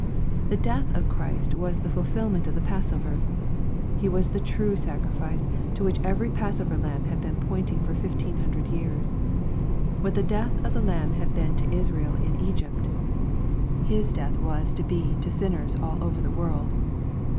The death of Christ was the fulfilment of the passover. He was the true sacrifice to which every pass over lamb had been pointing for 1500 years. What the death of the lamb had been to Israel in Egypt, His 892 EXPOSITORY THOUGHTS. death was to be to sinners all over the world.